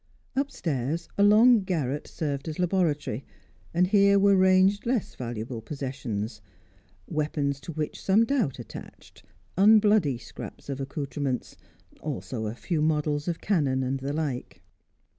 Upstairs, a long garret served as laboratory, and here were ranged less valuable possessions; weapons to which some doubt attached, unbloody scraps of accoutrements, also a few models of cannon and the like.